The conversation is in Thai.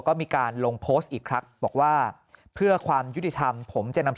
ก็มีการลงโพสต์อีกครั้งบอกว่าเพื่อความยุติธรรมผมจะนำ